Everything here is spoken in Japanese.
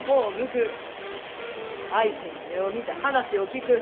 相手の目を見て話を聞く。